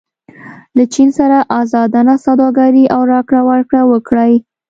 له چین سره ازادانه سوداګري او راکړه ورکړه وکړئ.